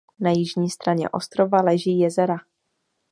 Na jižní straně ostrova leží Jezera.